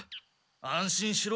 安心しろ。